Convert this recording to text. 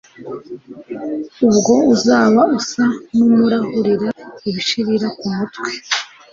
ubwo uzaba usa n’umurahurira ibishirira ku mutwe